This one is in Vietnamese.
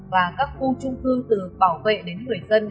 và các khu trung cư từ bảo vệ đến người dân